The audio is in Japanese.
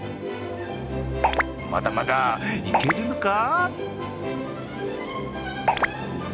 まだまだいけるのか？